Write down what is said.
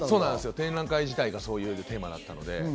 展覧会自体がそういうテーマでした。